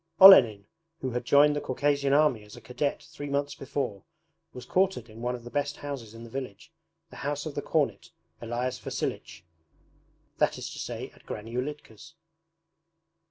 Olenin, who had joined the Caucasian Army as a cadet three months before, was quartered in one of the best houses in the village, the house of the cornet, Elias Vasilich that is to say at Granny Ulitka's.